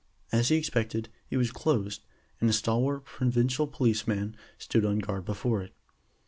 As he expected, it was closed, and a stalwart provincial policeman stood on guard before it.